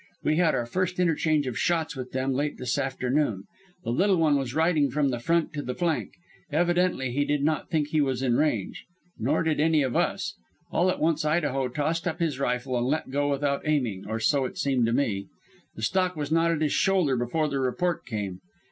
We had our first interchange of shots with them late this afternoon. The Little One was riding from the front to the flank. Evidently he did not think he was in range nor did any of us. All at once Idaho tossed up his rifle and let go without aiming or so it seemed to me. The stock was not at his shoulder before the report came.